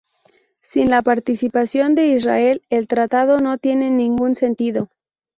Sin la participación de Israel, el Tratado no tiene ningún sentido.